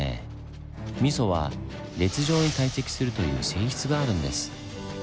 ミソは列状に堆積するという性質があるんです。